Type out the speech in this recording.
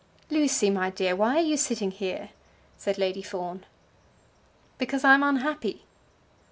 "Lucy, my dear, why are you sitting here?" said Lady Fawn. "Because I am unhappy."